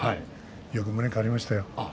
よく胸を借りましたよ